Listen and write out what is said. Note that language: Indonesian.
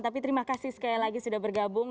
tapi terima kasih sekali lagi sudah bergabung